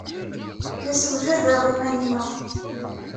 La ssewjadeɣ iman-inu.